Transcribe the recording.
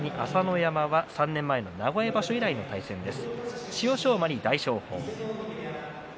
３年前の名古屋場所以来の対戦となります。